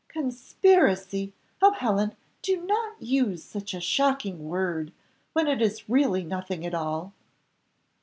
"Conspiracy! Oh, Helen, do not use such a shocking word, when it is really nothing at all."